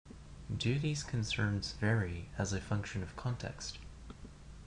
Do these concerns vary as a function of context?